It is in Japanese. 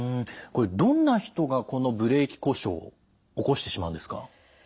これどんな人がこのブレーキ故障起こしてしまうんですか？